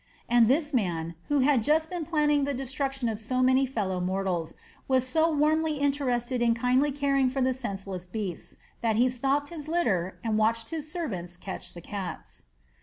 And this man, who had just been planning the destruction of so many of his fellow mortals, was so warmly interested in kindly caring for the senseless beasts, that he stopped his litter and watched his servants catch the cats.